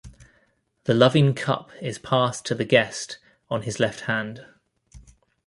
The loving cup is passed to the guest on his left hand.